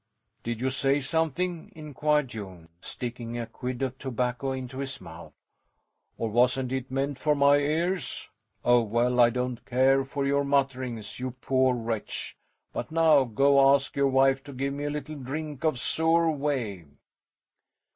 Did you say something? inquired Jon, sticking a quid of tobacco into his mouth. Or wasn't it meant for my ears? Oh, well, I don't care for your mutterings, you poor wretch. But now, go ask your wife to give me a little drink of sour whey.